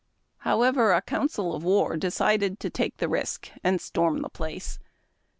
However, a council of war decided to take the risk, and storm the place.